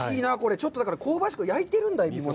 ちょっと、だから香ばしく、焼いてるんだ、エビをね。